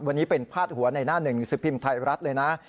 วันนี้เป็นพาดหัวในหน้าหนึ่งสิบพิมพ์ไทยรัฐเลยนะ